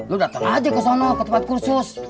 lo dateng aja ke sono ke tempat kursus